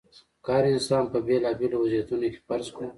که هر انسان په بېلابېلو وضعیتونو کې فرض کړو.